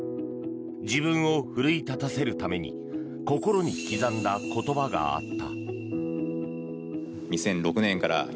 自分を奮い立たせるために心に刻んだ言葉があった。